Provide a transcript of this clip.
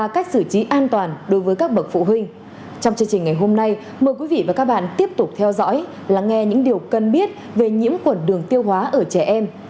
các bạn tiếp tục theo dõi lắng nghe những điều cần biết về nhiễm quẩn đường tiêu hóa ở trẻ em